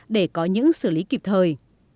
để có những xử lý kịp thời